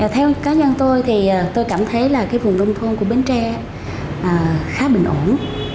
theo cá nhân tôi thì tôi cảm thấy là cái vùng nông thôn của bến tre khá bình ổn